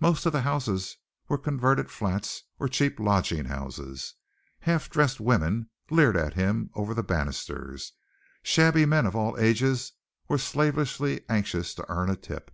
Most of the houses were converted flats or cheap lodging houses. Half dressed women leered at him over the banisters; shabby men of all ages were slavishly anxious to earn a tip.